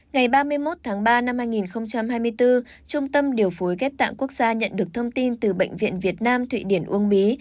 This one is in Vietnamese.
ngày ba mươi một tháng ba năm hai nghìn hai mươi bốn trung tâm điều phối ghép tạng quốc gia nhận được thông tin từ bệnh viện việt nam thụy điển uông bí